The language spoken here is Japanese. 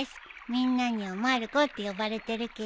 みんなにはまる子って呼ばれてるけど。